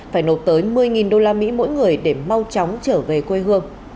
phải nộp tới một mươi usd mỗi người để mau chóng trở về quê hương